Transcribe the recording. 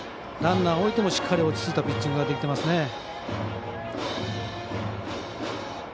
ランナーを置いてもしっかりと落ち着いたピッチングできていますね。